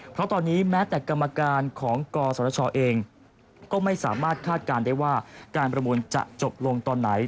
เพราะตอนนี้แม้แต่กรรมการของกศชเองก็ไม่สามารถคาดการณ์ได้ว่าการประมูลจะจบลงตอนไหน